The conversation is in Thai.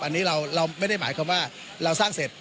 อันนี้เราไม่ได้หมายความว่าเราสร้างเสร็จ